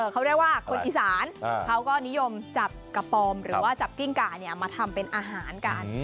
เขาเรียกว่าคนอีสานเขาก็นิยมจับกระปอมหรือว่าจับกิ้งก่ามาทำเป็นอาหารกัน